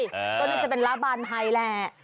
ตอนนี้จะเป็นราบาลไทยแหละ